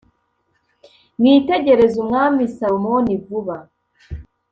mwitegereze umwami Salomoni vuba